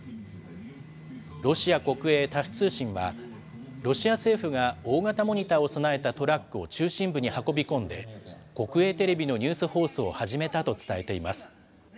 ロシア国営タス通信は、ロシア政府が大型モニターを備えたトラックを中心部に運び込んで、国営テレビのニュース放送を始めたと伝えています。